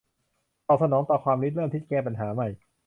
ตอบสนองต่อความคิดริเริ่มที่จะแก้ปัญหาใหม่